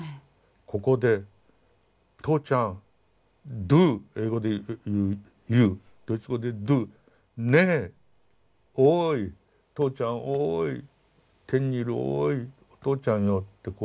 ここで「とうちゃん」ドゥー英語で言うユードイツ語でドゥー「ねえおいとうちゃんおい天にいるおいおとうちゃんよ」ってこう呼びかけた。